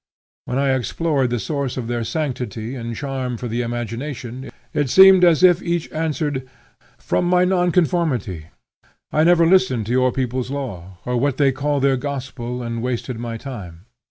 When I explored the source of their sanctity and charm for the imagination, it seemed as if each answered, 'From my nonconformity; I never listened to your people's law, or to what they call their gospel, and wasted my time.